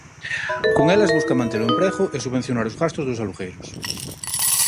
Con elas busca manter o emprego e subvencionar os gastos dos alugueiros.